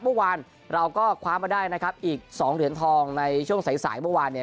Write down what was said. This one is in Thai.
เมื่อวานเราก็คว้ามาได้นะครับอีกสองเหรียญทองในช่วงสายสายเมื่อวานเนี่ย